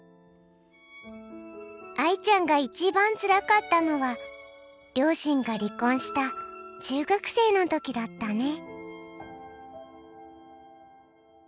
愛ちゃんが一番つらかったのは両親が離婚した中学生の時だったね。